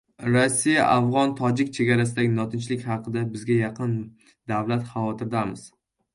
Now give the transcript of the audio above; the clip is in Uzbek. Rossiya afg‘on-tojik chegarasidagi notinchlik haqida: "Bizga yaqin davlat. Xavotirdamiz"